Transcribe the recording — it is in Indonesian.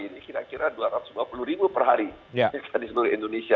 ini kira kira rp dua ratus lima puluh per hari di seluruh indonesia